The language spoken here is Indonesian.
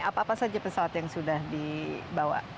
apa apa saja pesawat yang sudah dibawa